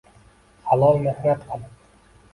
Halol mehnat qil.